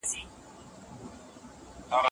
هغه داغ چي پر کالیو دی د چایو دی.